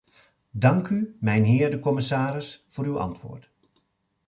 Dank u, mijnheer de commissaris, voor uw antwoord.